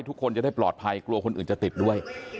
ทุกคนจะได้ปลอดภัยกลัวคนอื่นจะติดด้วย